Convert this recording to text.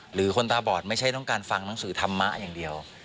หรือคนตาบอดไม่ใช่ต้องการฟังหนังสือธรรมะอย่างเดียว